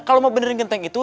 kalau mau benerin genteng itu